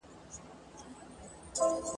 ور نیژدې یوه جاله سوه په څپو کي !.